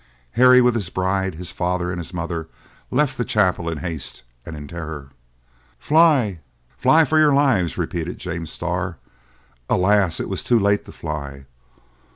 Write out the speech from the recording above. Harry with his bride, his father and his mother, left the chapel in haste and in terror. "Fly! fly for your lives!" repeated James Starr. Alas! it was too late to fly!